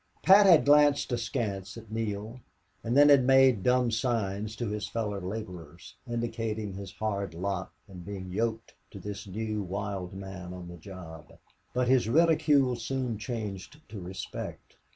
Pat had glanced askance at Neale, and then had made dumb signs to his fellow laborers, indicating his hard lot in being yoked to this new wild man on the job. But his ridicule soon changed to respect.